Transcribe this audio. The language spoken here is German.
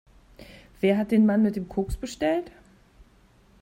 Wer hat den Mann mit dem Koks bestellt?